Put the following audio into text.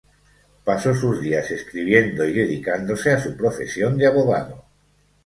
Pasó sus días escribiendo y dedicándose a su profesión de abogado.